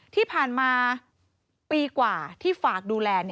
ที่ผ่านมาปีกว่าที่ฝากดูแล